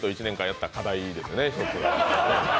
１年間やった課題ですよね。